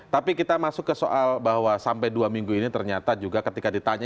tapi kita masuk ke soal bahwa sampai dua minggu ini ternyata juga ketika ditanya